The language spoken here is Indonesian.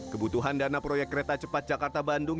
kebutuhan dana proyek kereta cepat jakarta bandung